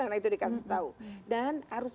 karena itu dikasih tahu dan harus